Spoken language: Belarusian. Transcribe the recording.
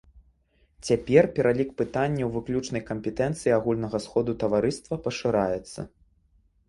Цяпер пералік пытанняў выключнай кампетэнцыі агульнага сходу таварыства пашыраецца.